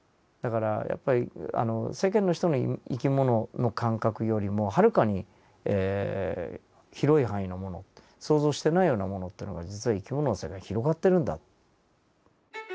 だからやっぱり世間の人の生き物の感覚よりもはるかに広い範囲のもの想像してないようなものというのが実は生き物の世界広がってるんだ。